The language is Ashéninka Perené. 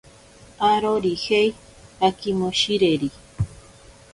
Arorijei akimoshireri.